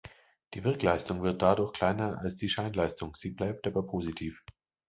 Die Wirkleistung wird dadurch kleiner als die Scheinleistung; sie bleibt aber positiv.